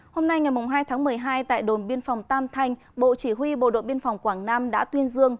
hôm nay ngày hai tháng một mươi hai tại đồn biên phòng tam thanh bộ chỉ huy bộ đội biên phòng quảng nam đã tuyên dương